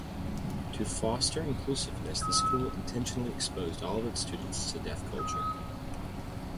To foster inclusiveness the school intentionally exposed all of its students to deaf culture.